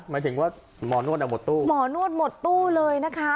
หมายถึงว่าหมอนวดอ่ะหมดตู้หมอนวดหมดตู้เลยนะคะ